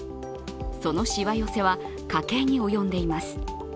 そのしわ寄せは家計に及んでいます。